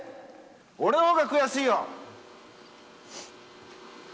俺のほうが悔しいよ！